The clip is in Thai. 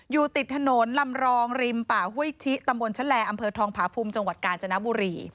อยู่ติดถนนลำรองริมป่าห้วยชิตำบลชะแลอำเภอทองผาภูมิจังหวัดกาญจนบุรี